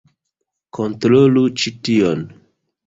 Kontrolu ĉi tion!